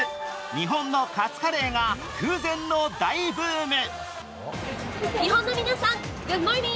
日本のカツカレーが空前の大ブーム。